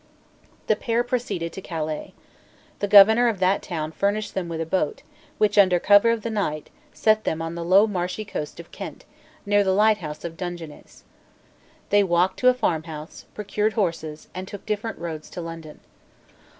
The pair proceeded to Calais. The governor of that town furnished them with a boat, which, under cover of the night, set them on the low marshy coast of Kent, near the lighthouse of Dungeness. They walked to a farmhouse, procured horses, and took different roads to London.